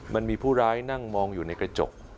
มันมีผู้ร้ายนั่งมองอยู่ในกระจก